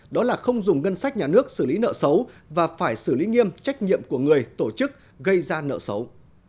đó là không dùng ngân sách nhà nước xử lý nợ xấu và phải xử lý nghiêm trách nhiệm của người tổ chức gây ra nợ xấu